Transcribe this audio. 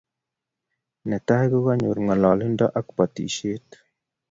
Netai ko kenyor ngalalindo ab batishet